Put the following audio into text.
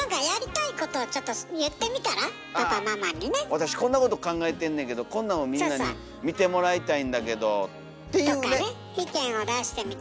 私こんなこと考えてんねんけどこんなんをみんなに見てもらいたいんだけどっていうね。とかね意見を出してみて。